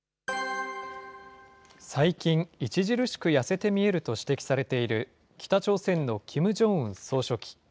最近、著しく痩せて見えると指摘されている北朝鮮のキム・ジョンウン総書記。